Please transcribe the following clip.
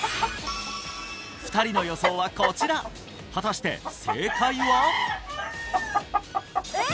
２人の予想はこちら果たして正解は！？え！？